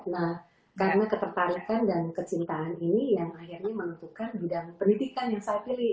nah karena ketertarikan dan kecintaan ini yang akhirnya menentukan bidang pendidikan yang saya pilih